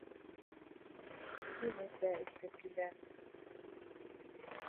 Минең дә эскем килә...